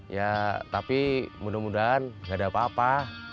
ya tapi mudah mudahan gak ada apa apa